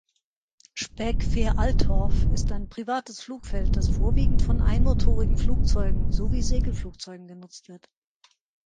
Speck-Fehraltorf ist ein privates Flugfeld, das vorwiegend von einmotorigen Flugzeugen sowie Segelflugzeugen genutzt wird.